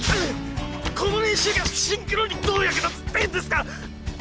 この練習がシンクロにどう役立つっていうんですか？